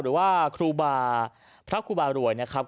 หรือว่าครูบาพระครูบารวยนะครับ